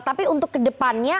tapi untuk kedepannya